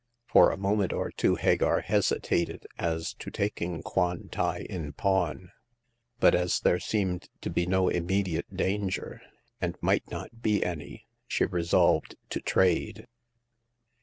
For a moment or two Hagar hesitated as to taking Kwan tai in pawn ; but as there seemed to be no immediate danger, and might not be any, she resolved to trade.